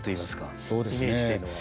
イメージっていうのは。